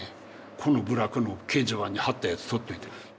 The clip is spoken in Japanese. この部落の掲示板に貼ったやつ取っといて。